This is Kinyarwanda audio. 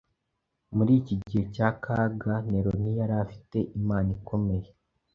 Muri iki gihe cy’akaga, Nero ntiyari afite Imana ikomeye